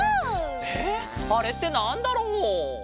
えっあれってなんだろう？